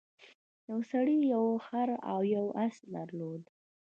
یو سړي یو خر او یو اس درلودل.